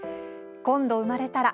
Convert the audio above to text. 「今度生まれたら」